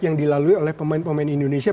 yang dilalui oleh pemain pemain indonesia